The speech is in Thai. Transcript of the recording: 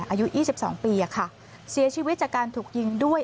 อายุ๒๒ปีค่ะเสียชีวิตจากการถูกยิงด้วย